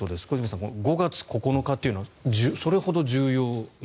小泉さん、５月９日というのはそれほど重要。